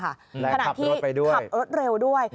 และขับรถไปด้วยขนาดที่ขับรถเร็วด้วย